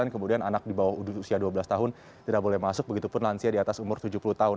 kemudian anak di bawah usia dua belas tahun tidak boleh masuk begitu pun lansia di atas umur tujuh puluh tahun